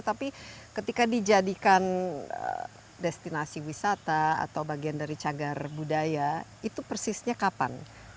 tapi ketika dijadikan destinasi wisata atau bagian dari cagar budaya itu persisnya kapan